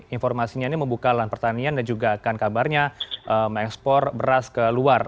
informasinya ini membuka lahan pertanian dan juga akan kabarnya mengekspor beras ke luar